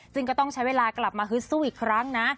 ซึ่งก็ต้องใช้เวลากลับมาฮึดสู้อีกครั้งนะ